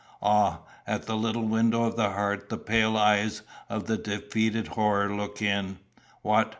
Ah, at the little window of the heart the pale eyes of the defeated Horror look in. What!